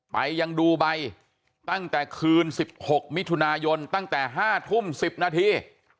ยังดูใบตั้งแต่คืน๑๖มิถุนายนตั้งแต่๕ทุ่ม๑๐นาที